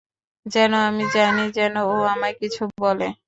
যেন আমি জানি, যেন ও আমায় কিছু বলে?